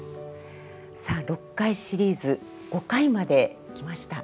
さあ６回シリーズ５回まで来ました。